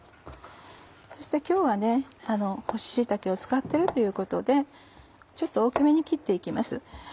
そして今日は干し椎茸を使ってるということでちょっと大きめに切っていきます。